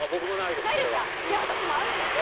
いや私もあるんですよ。